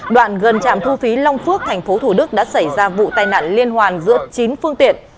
đoạn gần trạm thu phí long phước tp thủ đức đã xảy ra vụ tai nạn liên hoàn giữa chín phương tiện